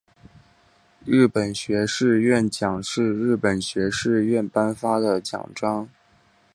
日本学士院奖是日本学士院颁发的奖章。